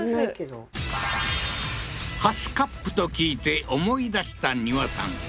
ハスカップと聞いて思い出した丹羽さん